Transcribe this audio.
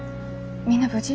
みんな無事？